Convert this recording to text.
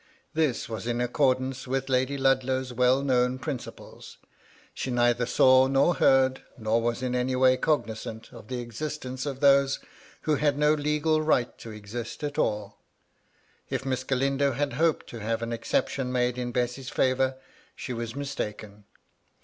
This was in accordance with Lady Ludlow's well known principles. She neither saw nor heard, nor was in any way cognisant of the existence of those who had no legal right to exist at all. If Miss Galindo had hoped to have an exception made in Bessy's favour, she was mistaken.